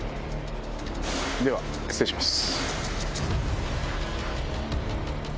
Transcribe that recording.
では失礼します。